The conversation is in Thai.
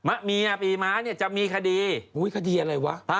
อารรูป